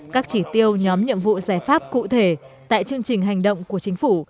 các chỉ tiêu nhóm nhiệm vụ giải pháp cụ thể tại chương trình hành động của chính phủ